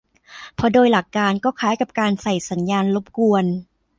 เพราะโดยหลักการ ก็คล้ายกับการใส่สัญญาณรบกวน